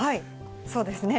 そうですね。